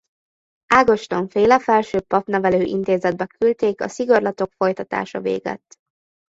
Ágoston-féle felsőbb papnevelő-intézetbe küldték a szigorlatok folytatása végett.